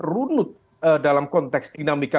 runut dalam konteks dinamika